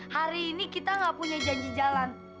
hari ini kita gak punya janji jalan